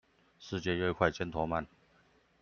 世界越快尖頭鰻